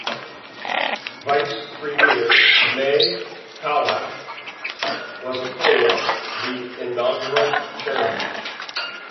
Vice Premier Ma Kai was appointed the inaugural chairman.